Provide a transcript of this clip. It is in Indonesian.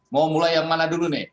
mau mulai yang mana dulu nih